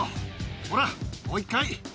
ほら、もう一回。